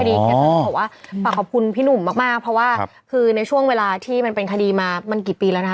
อันนี้บอกว่าฝากขอบคุณพี่หนุ่มมากเพราะว่าคือในช่วงเวลาที่มันเป็นคดีมามันกี่ปีแล้วนะคะ